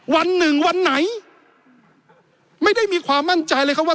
วันหนึ่งวันไหนไม่ได้มีความมั่นใจเลยครับว่า